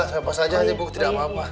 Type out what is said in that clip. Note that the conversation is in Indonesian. siapa saja sih bu tidak apa apa